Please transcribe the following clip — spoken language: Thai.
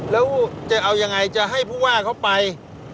แล้วจะเอายังไงจะให้ผู้ว่าเขาไป